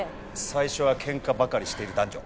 最初はケンカばかりしてる男女。